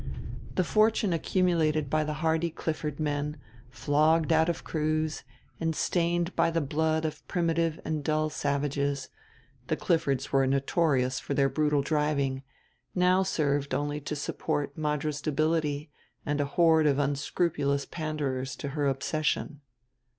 The fortune accumulated by the hardy Clifford men, flogged out of crews and stained by the blood of primitive and dull savages the Cliffords were notorious for their brutal driving now served only to support Madra's debility and a horde of unscrupulous panderers to her obsession.